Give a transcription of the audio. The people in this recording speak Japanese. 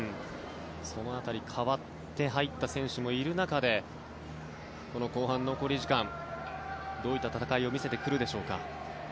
その辺り代わって入った選手もいる中で後半残り時間、どういった戦いを見せてくるでしょうか。